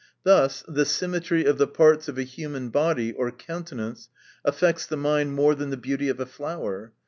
Thus the rymmetry of the parts of a human body, or countenance, affects the mind more than the beauty of a flower.